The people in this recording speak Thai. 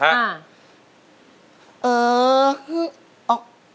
เออคือออก